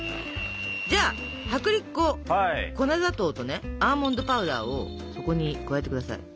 じゃあ薄力粉粉砂糖とねアーモンドパウダーをそこに加えて下さい。